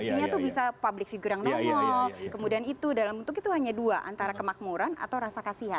artinya itu bisa public figure yang normal kemudian itu dalam bentuk itu hanya dua antara kemakmuran atau rasa kasihan